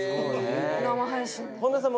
生配信。